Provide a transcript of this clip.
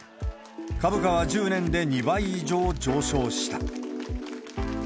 株価は１０年で２倍以上上昇した。